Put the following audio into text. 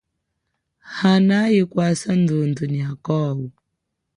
Hanayi kwasa ndhundhu nyakowo.